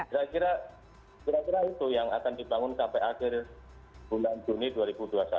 kira kira itu yang akan dibangun sampai akhir bulan juni dua ribu dua puluh satu